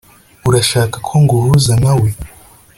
Urashaka ko nguhuza nawe